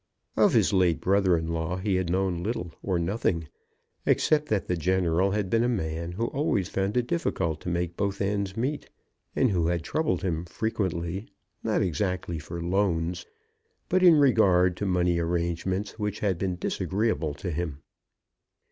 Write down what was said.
Of his late brother in law he had known little or nothing, except that the General had been a man who always found it difficult to make both ends meet, and who had troubled him frequently, not exactly for loans, but in regard to money arrangements which had been disagreeable to him.